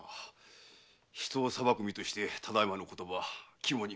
人を裁く身としてただいまのお言葉肝に銘じます。